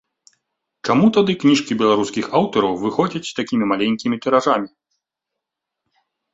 Чаму тады кніжкі беларускіх аўтараў выходзяць такімі маленькімі тыражамі?